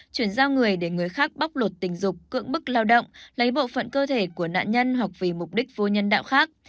chuyển giao người để người khác bóc lột tình dục cưỡng bức lao động lấy bộ phận cơ thể của nạn nhân hoặc vì mục đích vô nhân đạo khác